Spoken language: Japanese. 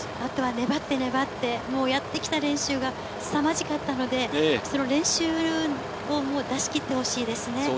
粘って粘ってやってきた練習がすさまじかったので、練習を出し切ってほしいですね。